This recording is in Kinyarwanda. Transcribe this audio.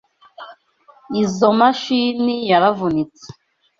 Izoi mashini yaravunitse.